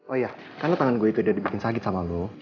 oh iya karena tangan gue itu udah dibikin sakit sama lo